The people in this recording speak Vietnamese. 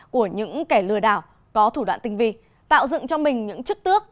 của những kẻ lừa đảo có thủ đoạn tinh vi tạo dựng cho mình những chức tước